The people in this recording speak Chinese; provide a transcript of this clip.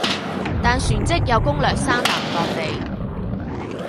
但旋即又攻掠山南各地。